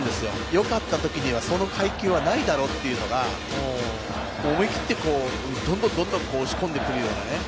よかったときにはその配球はないだろうというのが思い切って、どんどん押し込んでくるようなね。